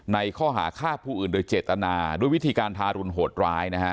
ในข้อหาฆ่าผู้อื่นโดยเจตนาด้วยวิธีการทารุณโหดร้ายนะฮะ